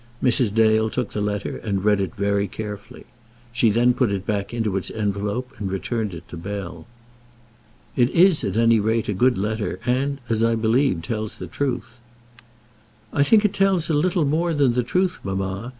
Mrs. Dale took the letter and read it very carefully. She then put it back into its envelope and returned it to Bell. "It is, at any rate, a good letter, and, as I believe, tells the truth." "I think it tells a little more than the truth, mamma.